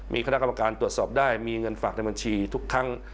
มีคณะกรรมการตรวจสอบได้มีเงินฝากในบัญชีทุกครั้ง